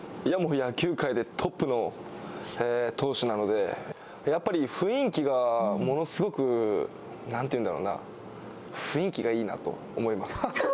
もう野球界でトップの投手なので、やっぱり雰囲気が、ものすごく何て言うんだろうな、雰囲気がいいなと思います。